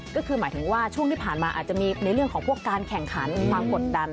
ก็คือหมายถึงว่าช่วงที่ผ่านมาอาจจะมีในเรื่องของพวกการแข่งขันความกดดัน